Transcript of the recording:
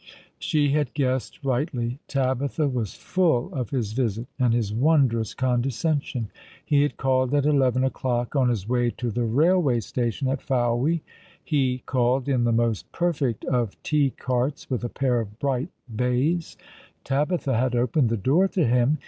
She had guessed rightly. Tabitha was full of his visit, and his wondrous condescension. He had called at eleven o'clock, on his way to the railway station at Fowey. He called in the most perfect of T carts, with a pair of bright bays. Tabitha had opened the door to him.